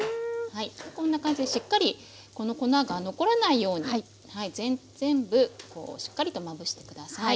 こんな感じでしっかりこの粉が残らないように全部こうしっかりとまぶして下さい。